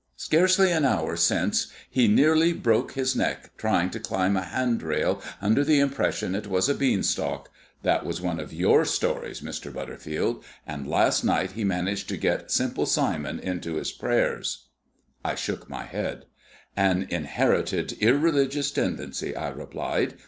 Scarcely an hour since he nearly broke his neck trying to climb a handrail, under the impression it was a beanstalk that was one of your stories, Mr. Butterfield, and last night he managed to get Simple Simon into his prayers." I shook my head. "An inherited irreligious tendency," I replied.